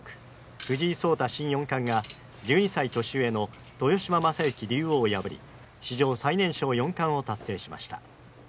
藤井聡太新四冠が１２歳年上の豊島将之竜王を破り、史上最年少四冠を達成しました。